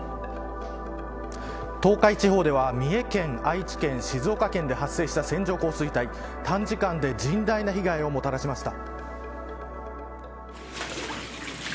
東海地方では三重県、愛知県静岡県で発生した線状降水帯短時間で甚大な被害をもたらしました。